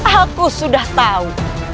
aku sudah tahu